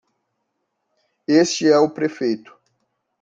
Este é o prefeito.